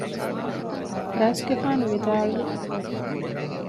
ރަސްގެފާނު ވިދާޅުވި